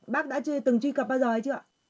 bác đã từng truy cập bao giờ hay chưa ạ